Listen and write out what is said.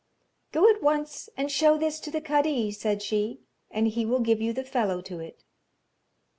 'Go at once and show this to the kadi,' said she, 'and he will give you the fellow to it.'